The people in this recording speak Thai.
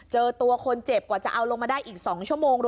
เจอตัวคนเจ็บกว่าจะเอาลงมาได้อีก๒ชั่วโมง